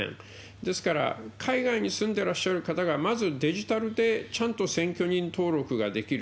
ですから、海外に住んでらっしゃる方がまずデジタルでちゃんと選挙人登録ができる。